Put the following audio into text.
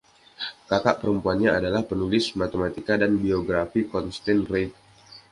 Kakak perempuannya adalah penulis matematika dan biografi, Constance Reid.